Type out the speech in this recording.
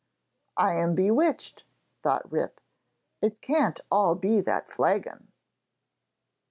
'I am bewitched,' thought Rip. 'It can't all be that flagon.'